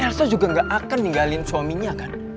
elsa juga gak akan tinggalin suaminya kan